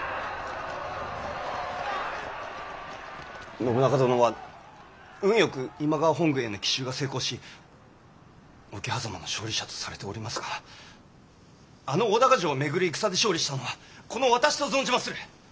信長殿は運よく今川本軍への奇襲が成功し桶狭間の勝利者とされておりますがあの大高城を巡る戦で勝利したのはこの私と存じまする。